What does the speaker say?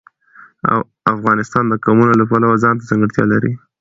افغانستان د قومونه د پلوه ځانته ځانګړتیا لري.